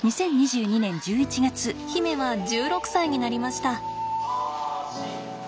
媛は１６歳になりました。